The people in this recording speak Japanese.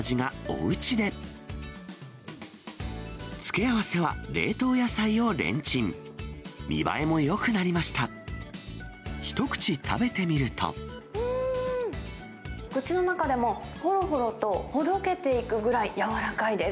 うーん、口の中でもほろほろとほどけていくぐらい、軟らかいです。